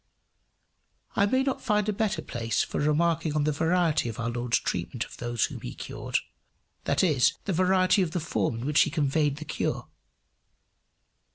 I may not find a better place for remarking on the variety of our Lord's treatment of those whom he cured; that is, the variety of the form in which he conveyed the cure.